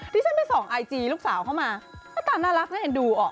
ที่ฉันไปส่องไอจีลูกสาวเข้ามาหน้าตาน่ารักน่าเอ็นดูออก